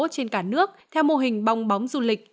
trên cả nước theo mô hình bong bóng du lịch